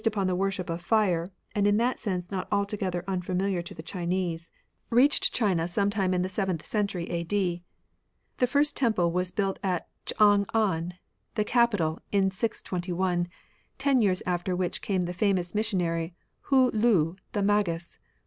^®^^ upon the worship of fire, and in that sense not altogether un familiar to the Chinese, reached China some 65 E J RELIGIONS OF ANCIENT CHINA time in the seventh oentury a.d. The first temple was built at Ch'ang an, the capital, in 621, ten years after which came the famous missionary. Ho Lu the Magus.